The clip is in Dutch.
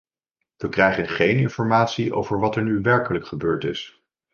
We krijgen geen informatie over wat er nu werkelijk gebeurd is.